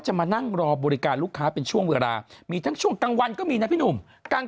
มานั่งรอบริการลูกค้าเป็นช่วงเวลามีทั้งช่วงกลางวันก็มีนะพี่หนุ่ม